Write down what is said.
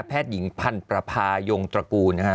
แพทย์หญิงพันธุ์ประพายงตระกูลนะคะ